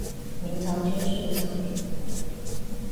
明朝军事将领。